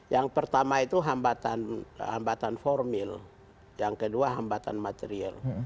yang pertama itu hambatan formil yang kedua hambatan material